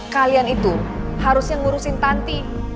kalian itu harusnya ngurusin tanti